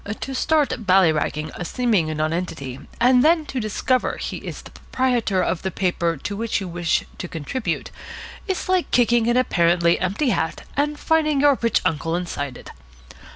To start bally ragging a seeming nonentity and then to discover he is the proprietor of the paper to which you wish to contribute is like kicking an apparently empty hat and finding your rich uncle inside it.